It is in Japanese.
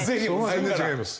全然違います。